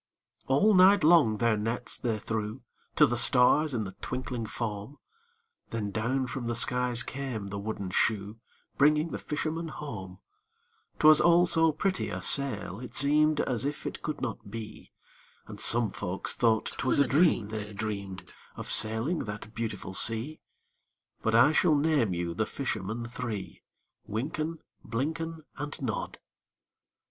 All night long their nets they threw To the stars in the twinkling foam,— Then down from the skies came the wooden shoe, Bringing the fishermen home: 'Twas all so pretty a sail, it seemed As if it could not be; And some folk thought 'twas a dream they'd dreamed Of sailing that beautiful sea; But I shall name you the fishermen three: Wynken, Blynken, And Nod.